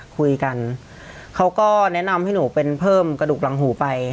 คุยกันเขาก็แนะนำให้หนูเป็นเพิ่มกระดูกหลังหูไป